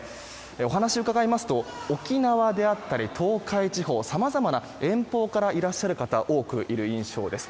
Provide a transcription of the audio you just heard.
お話を伺いますと沖縄であったり、東海地方さまざまな遠方からいらっしゃる方が多くいる印象です。